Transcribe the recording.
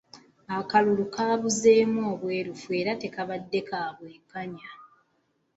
Akalulu kabuzeemu obwerufu era tekabadde ka bwenkanya.